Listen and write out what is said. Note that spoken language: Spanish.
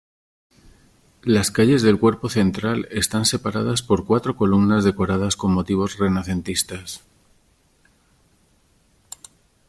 Las calles del cuerpo central están separadas por cuatro columnas decoradas con motivos renacentistas.